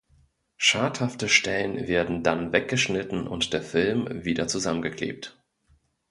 Schadhafte Stellen werden dann weggeschnitten und der Film wieder zusammengeklebt.